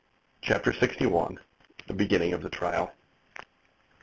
CHAPTER LXI. THE BEGINNING OF THE TRIAL.